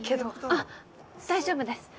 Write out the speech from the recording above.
あっ大丈夫です。